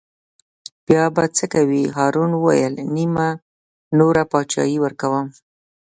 بیا به څه کوې هارون وویل: نیمه نوره بادشاهي ورکووم.